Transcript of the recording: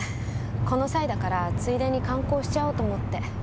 この際だからついでに観光しちゃおうと思って。